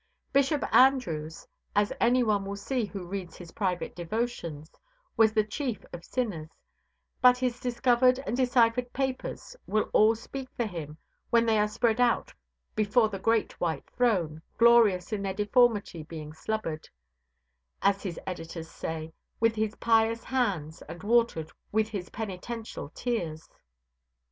Bishop Andrewes, as any one will see who reads his Private Devotions, was the chief of sinners; but his discovered and deciphered papers will all speak for him when they are spread out before the great white throne, "glorious in their deformity, being slubbered," as his editors say, "with his pious hands, and watered with his penitential tears."